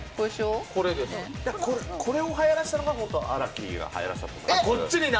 これをはやらせたのは荒木がはやらせたんです。